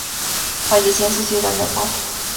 Falleció en su ciudad natal.